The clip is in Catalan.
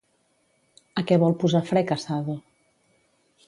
A què vol posar fre Casado?